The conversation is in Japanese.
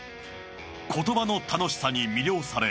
言葉の楽しさに魅了され